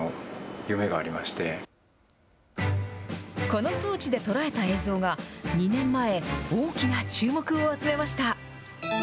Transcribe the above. この装置で捉えた映像が２年前、大きな注目を集めました。